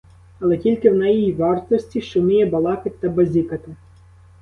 Але тільки в неї й вартості, що вміє балакать та базікати.